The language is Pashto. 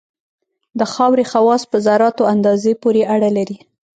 د خاورې خواص په ذراتو اندازه پورې اړه لري